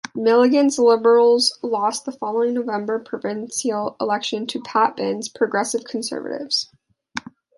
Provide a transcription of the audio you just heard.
Milligan's Liberals lost the following November provincial election to Pat Binns' Progressive Conservatives.